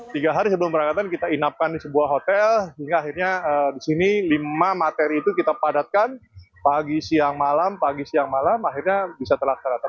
tiga hari sebelum berangkatan kita inapkan di sebuah hotel hingga akhirnya di sini lima materi itu kita padatkan pagi siang malam pagi siang malam akhirnya bisa terlaksana